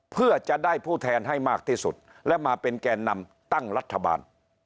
เพื่อจะได้ผู้แทนให้มากที่สุดและมาเป็นแก่นำตั้งรัฐบาล